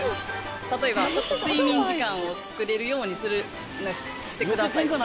例えば、ちょっと睡眠時間を作れるようにしてくださいとか。